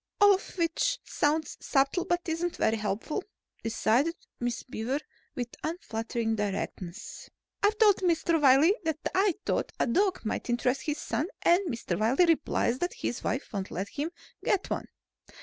"All of which sounds subtle but isn't very helpful," decided Miss Beaver with unflattering directness. "I've told Mr. Wiley that I thought a dog might interest his son and Mr. Wiley replies that his wife won't let him get one.